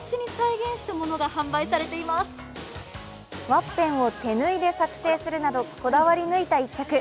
ワッペンを手縫いで作製するなど、こだわり抜いた１着。